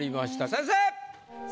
先生！